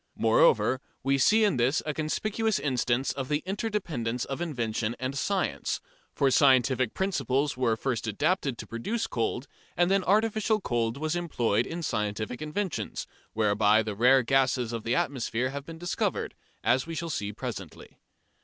Moreover, we see in this a conspicuous instance of the interdependence of invention and science, for scientific principles were first adapted to produce cold, and then artificial cold was employed in scientific investigations, whereby the rare gases of the atmosphere have been discovered, as we shall see presently.